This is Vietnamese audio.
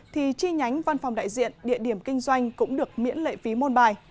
thì chi nhánh văn phòng đại diện địa điểm kinh doanh cũng được miễn lệ phí môn bài